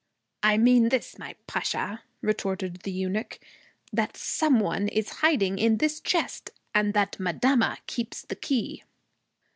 'I mean this, my Pasha,' retorted the eunuch: 'that some one is hiding in this chest and that madama keeps the key.'